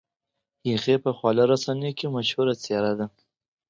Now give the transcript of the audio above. هغې په خواله رسنیو کې مشهوره څېره ده.